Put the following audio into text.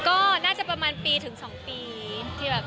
ก็น่าจะประมาณปีถึงสองปี